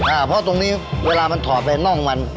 เพราะตรงนี้เวลามันถอดไปน่องมัน